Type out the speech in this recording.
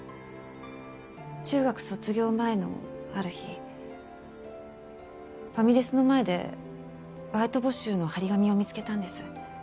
中学卒業前のある日ファミレスの前でバイト募集の貼り紙を見つけたんです。